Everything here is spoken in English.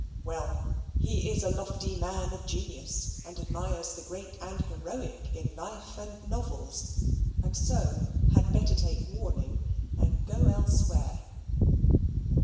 Well, he is a lofty man of genius, and admires the great and heroic in life and novels; and so had better take warning and go elsewhere.